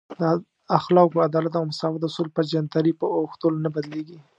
د اخلاقو، عدالت او مساوات اصول په جنترۍ په اوښتلو نه بدلیږي.